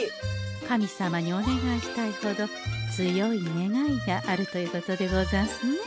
神様にお願いしたいほど強い願いがあるということでござんすね。